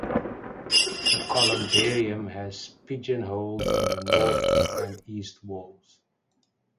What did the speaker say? The columbarium has pigeon holes in the north and east walls.